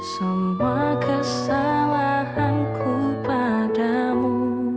semua kesalahanku padamu